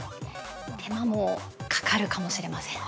◆手間もかかるかもしれません。